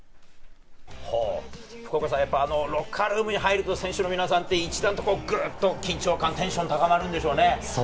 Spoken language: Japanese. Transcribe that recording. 福岡さん、あのロッカールームに入ると選手の皆さんは一段とグッと緊張感、テンションが高まるでしょうね。